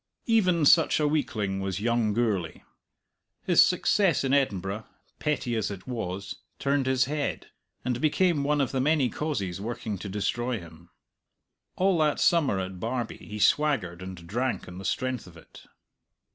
Even such a weakling was young Gourlay. His success in Edinburgh, petty as it was, turned his head, and became one of the many causes working to destroy him. All that summer at Barbie he swaggered and drank on the strength of it.